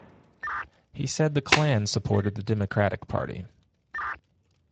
He said the Klan supported the Democratic Party.